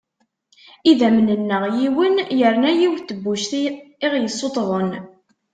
Idamen-nneɣ yiwen yerna yiwet n tebbuct i ɣ-yesuttḍen.